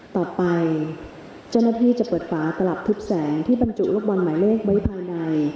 ต่อไปเจ้าหน้าที่จะเปิดฝาสลับทุบแสงที่บรรจุลูกบอลหมายเลขไว้ภายใน